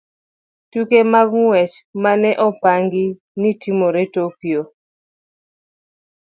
Tuke mag ng'wech ma ne opangi ni timore Tokyo.